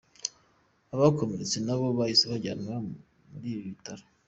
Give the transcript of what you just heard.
Abakomeretse nabo bahise bajyanwa muri ibi bitaro.